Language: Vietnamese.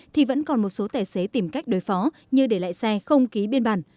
thì vẫn còn một số tài xế tìm cách đối phó như để lại xe không ký biên bản